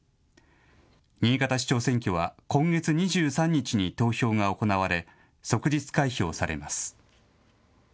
新潟市長選挙は今月２３日に投票が行われ即日開票されます。